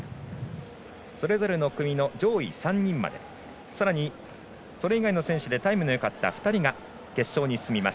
それぞれの組の上位３人までさらにそれ以外の選手でタイムのよかった２人が決勝に進みます。